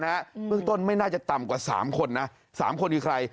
เบื้องต้นไม่น่าจะต่ำกว่า๓คนนะ๓คนคือใคร